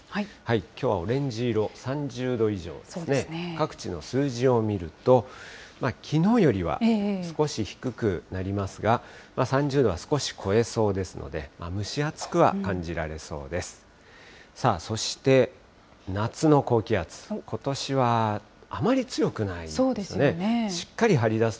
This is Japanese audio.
きょうはオレンジ色、３０度以上、各地の数字を見ると、きのうよりは少し低くなりますが、３０度は少し超えそうですので、蒸し暑くは感じられそうです。